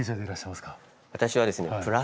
私はですね